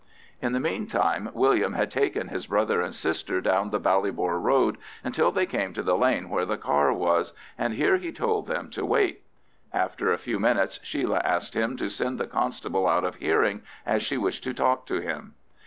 In the meantime William had taken his brother and sister down the Ballybor road until they came to the lane where the car was, and here he told them to wait. After a few minutes Sheila asked him to send the constable out of hearing, as she wished to talk to him.